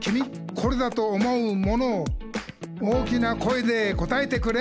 「これだと思うものを大きな声で答えてくれ！」